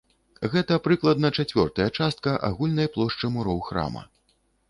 Гэта прыкладна чацвёртая частка агульнай плошчы муроў храма.